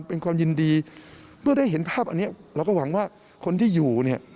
เป็นความยินดีเมื่อได้เห็นภาพอันนี้เราก็หวังว่าคนที่อยู่เนี่ย